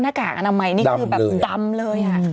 นกอันน้ำไมค์นี้คือแบบดำเลย